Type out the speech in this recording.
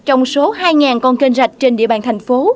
trong số hai con kênh rạch trên địa bàn thành phố